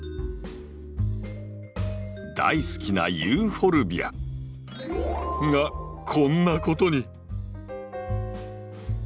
大好きなユーフォルビア。がこんなことに！